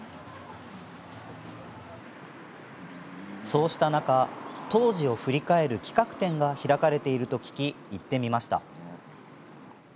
そうした中当時を振り返る企画展が開かれていると聞き行ってみました。